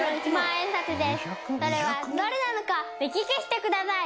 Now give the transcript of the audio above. それはどれなのか目利きしてください。